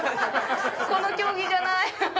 この競技じゃない。